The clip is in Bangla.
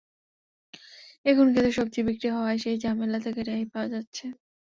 এখন খেতে সবজি বিক্রি হওয়ায় সেই ঝামেলা থেকে রেহাই পাওয়া যাচ্ছে।